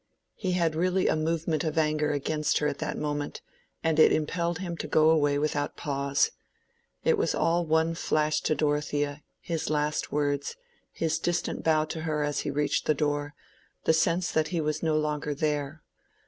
He had really a movement of anger against her at that moment, and it impelled him to go away without pause. It was all one flash to Dorothea—his last words—his distant bow to her as he reached the door—the sense that he was no longer there.